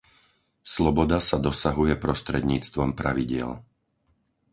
Sloboda sa dosahuje prostredníctvom pravidiel.